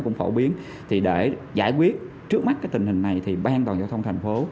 cũng phổ biến thì để giải quyết trước mắt cái tình hình này thì ban an toàn giao thông thành phố